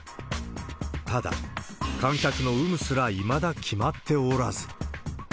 ただ、観客の有無すらいまだ決まっておらず。